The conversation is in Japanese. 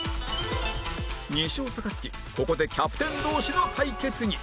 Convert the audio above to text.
２勝差がつきここでキャプテン同士の対決に